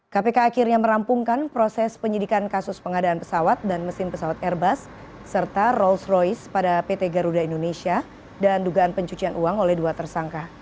kpk akhirnya merampungkan proses penyidikan kasus pengadaan pesawat dan mesin pesawat airbus serta rolls royce pada pt garuda indonesia dan dugaan pencucian uang oleh dua tersangka